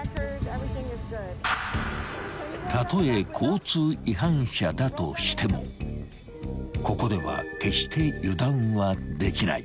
［たとえ交通違反者だとしてもここでは決して油断はできない］